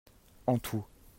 En tout.